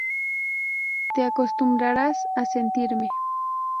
Te acostumbrarás a sentirme.